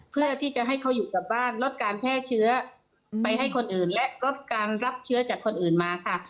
เพื่อที่จะให้เขาอยู่กับบ้านลดการแพร่เชื้อไปให้คนอื่นและลดการรับเชื้อจากคนอื่นมาค่ะ